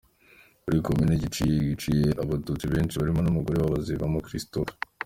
Kuri Komini Giciye, hiciwe abatutsi benshi barimo n’umugore wa Bazivamo Christophe.